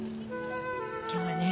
今日はね